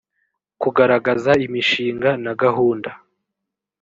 kugaragaza imishinga na gahunda